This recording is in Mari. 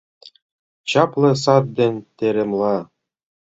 Чапле сад ден теремла